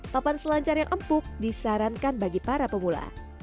papan selancar yang empuk disarankan bagi para pemula